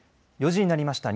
４時になりました。